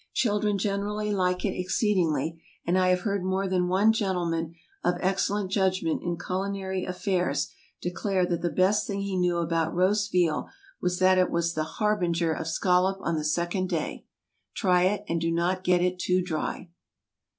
Children generally like it exceedingly, and I have heard more than one gentleman of excellent judgment in culinary affairs declare that the best thing he knew about roast veal was that it was the harbinger of scallop on the second day. Try it, and do not get it too dry.